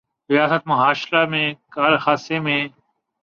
ریاست مہاراشٹرا میں کار حادثے میں